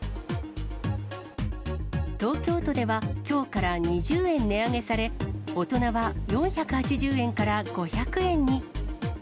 東京ではきょうから２０円値上げされ、大人は４８０円から５００円に。